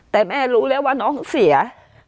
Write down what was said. แต่แม่รู้แล้วว่าน้องเสีย